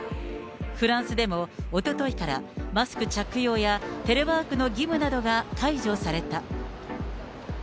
フランスでも、おとといから、マスク着用やテレワークの義務などが解除された。